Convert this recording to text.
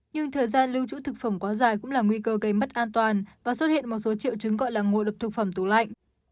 nhưng thời gian lưu trữ thực phẩm quá dài cũng là nguy cơ gây mất an toàn và xuất hiện một số triệu chứng gọi là ngộ độc thực phẩm tủ lạnh